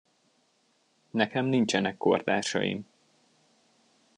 Nekem nincsenek kortársaim.